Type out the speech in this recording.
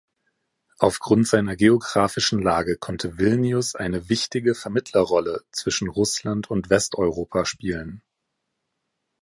Aufgrund seiner geographischen Lage konnte Vilnius eine wichtige Vermittlerrolle zwischen Russland und Westeuropa spielen.